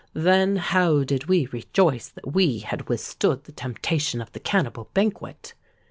Then how did we rejoice that we had withstood the temptation of the cannibal banquet!